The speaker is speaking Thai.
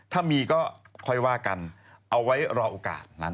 ถ้ามีก็ค่อยว่ากันเอาไว้รอโอกาสนั้น